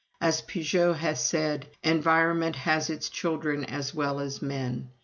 As Pigou has said, 'Environment has its children as well as men.'